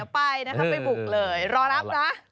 เออถ้ามีโอกาสเดี๋ยวไปนะครับไปบุกเลยรอรับนะ